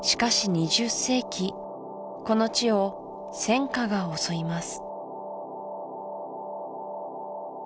２０世紀この地を戦火が襲います